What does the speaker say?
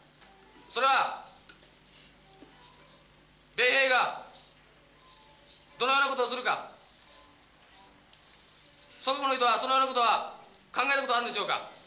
それは米兵がどのようなことをするか、祖国の人は、そのようなことは考えることはあるのでしょうか。